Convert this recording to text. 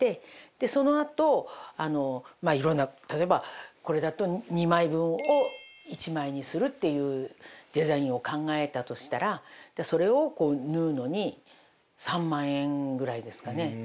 そのあといろんな例えばこれだと２枚分を１枚にするっていうデザインを考えたとしたらそれを縫うのに３万円ぐらいですかね。